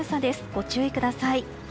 ご注意ください。